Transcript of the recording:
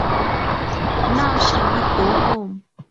Now shall we go home?